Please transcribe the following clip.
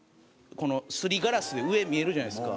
すりガラスで上見えるじゃないですか。